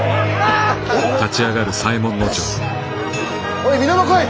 おい皆も来い！